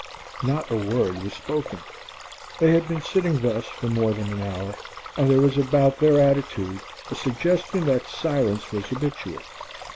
Not a word was spoken. They had been sitting thus for more than an hour, and there was about their attitude a suggestion that silence was habitual.